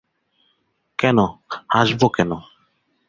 কেন, হাসবে কেন?